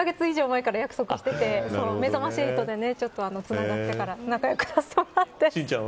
福田さんと１カ月以上前から約束していてめざまし８でつながってから仲良くなって。